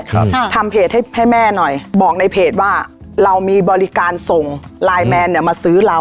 ครับค่ะทำเพจให้ให้แม่หน่อยบอกในเพจว่าเรามีบริการส่งไลน์แมนเนี้ยมาซื้อเรา